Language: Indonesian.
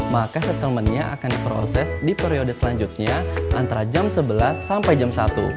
maka settlementnya akan diproses di periode selanjutnya antara jam sebelas sampai jam satu